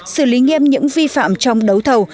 xử lý nghiêm những vi phạm trong đấu thầu